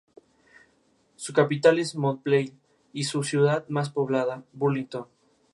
Al acabar sus estudios de criminología ayuda a Ferrer y Ruso en investigación.